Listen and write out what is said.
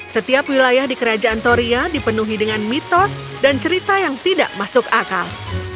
setiap wilayah di kerajaan toria dipenuhi dengan mitos dan cerita yang tidak masuk akal